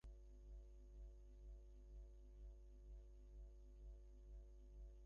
গতকাল সকালেও তাঁর কয়েকজন কর্মী-সমর্থক তাঁর পক্ষে কাজ করতে গিয়ে প্রহূত হন।